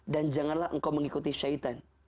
dan janganlah engkau mengikuti syaitan